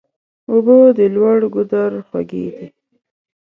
اوبه د لوړ ګودر خوږې دي.